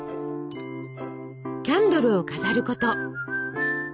キャンドルを飾ること。